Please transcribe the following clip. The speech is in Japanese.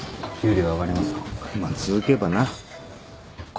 まあ続けばな。